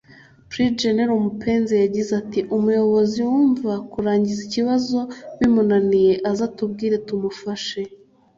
Brig Gen Mupenzi yagize ati “Umuyobozi wumva kurangiza ikibazo bimunaniye aze atubwire tumufashe